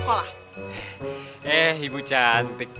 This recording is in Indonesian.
kok mau minum umur umur nggakfold